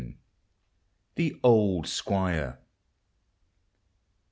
105 THE OLD SQUIRE.